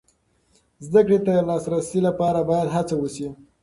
زده کړې ته د لاسرسي لپاره باید هڅه وسي.